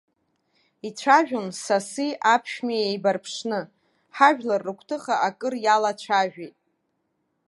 Ицәажәон саси аԥшәмеи еибарԥшны, ҳажәлар рыгәҭыха акыр иалацәажәеит.